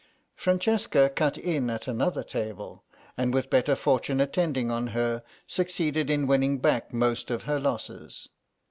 Francesca cut in at another table and with better fortune attending on her, succeeded in winning back most of her losses.